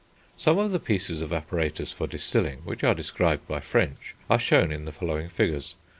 Some of the pieces of apparatus for distilling, which are described by French, are shown in the following figures.